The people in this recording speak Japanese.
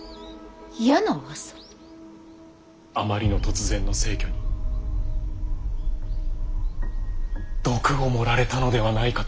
あまりの突然の逝去に毒を盛られたのではないかと。